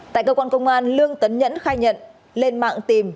tại cơ quan công an lương tấn nhẫn khai nhận lên mạng tìm